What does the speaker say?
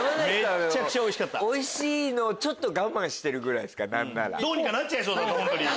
おいしいのをちょっと我慢してるぐらいっすか？